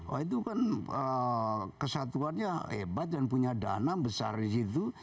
wah itu kan kesatuannya hebat dan punya dana besar di situ